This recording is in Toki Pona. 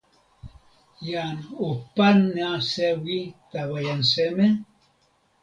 jan o pana sewi tawa jan seme?